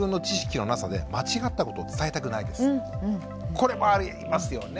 これもありますよね？